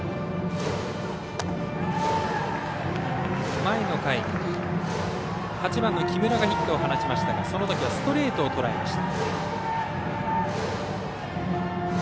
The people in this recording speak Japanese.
前の回、８番の木村がヒットを放ちましたがそのときはストレートをとらえました。